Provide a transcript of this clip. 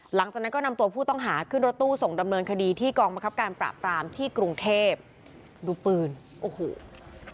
หลังจากนั้นก็นำตัวผู้ต้องหาขึ้นรถตู้ส่งดำเนินคดีที่กองบังคับการปราบปรามที่กรุงเทพดูปืนโอ้โห